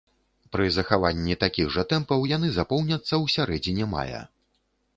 Пры захаванні такіх жа тэмпаў яны запоўняцца ў сярэдзіне мая.